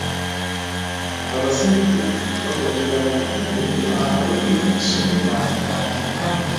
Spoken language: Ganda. abazajja bakwatira abaana mu kubo nga bbagrnda ku somero